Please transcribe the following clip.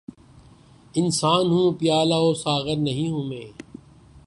انسان ہوں‘ پیالہ و ساغر نہیں ہوں میں!